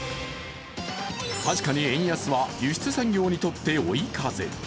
確かに円安は輸出産業にとって追い風。